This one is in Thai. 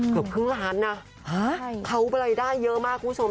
นะครับเขาเลยได้เยอะมากคุณผู้ชม